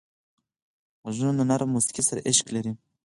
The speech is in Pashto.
غوږونه له نرمه موسیقۍ سره عشق لري